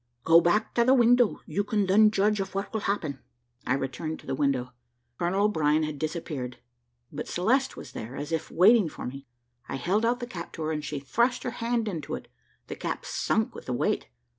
"Go back to the window you can then judge of what will happen." I returned to the window: Colonel O'Brien had disappeared, but Celeste was there, as if waiting for me. I held out the cap to her, and she thrust her hand into it. The cap sunk with the weight.